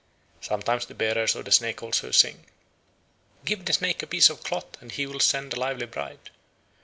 Sometimes the bearers of the snake also sing: "Give the snake a piece of cloth, and he will send a lively bride!"